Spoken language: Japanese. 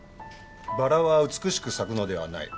「バラは美しく咲くのではない」